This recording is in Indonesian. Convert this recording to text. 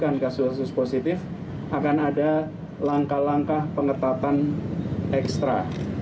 dengan kasus kasus positif akan ada langkah langkah pengetatan ekstra